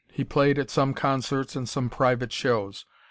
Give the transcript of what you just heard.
He played at some concerts and some private shows.